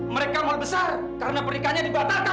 mereka mal besar karena pernikahannya dibatalkan